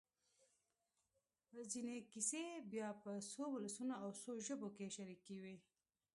ځينې کیسې بیا په څو ولسونو او څو ژبو کې شریکې وي.